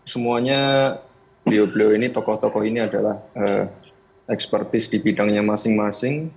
semuanya beliau beliau ini tokoh tokoh ini adalah ekspertis di bidangnya masing masing